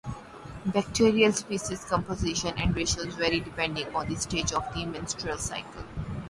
Bacterial species composition and ratios vary depending on the stage of the menstrual cycle.